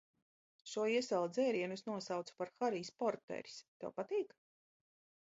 Šo iesala dzērienu es nosaucu par "Harijs Porteris". Tev patīk?